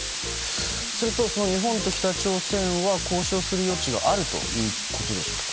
すると、日本と北朝鮮は交渉する余地があるということでしょうか？